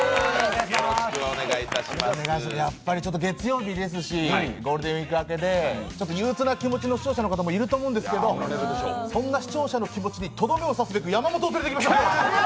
やっぱり月曜日ですしゴールデンウイーク明けでちょっと憂鬱な気持ちの視聴者の方いると思うんですがそんな視聴者の気持ちにとどめをさすべく山本を連れてきました。